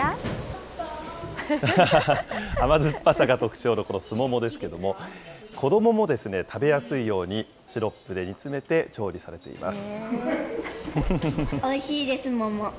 甘酸っぱさが特徴のこのスモモですけども、子どもも食べやすいように、シロップで煮詰めて調理されています。